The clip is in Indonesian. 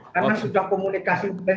karena sudah komunikasi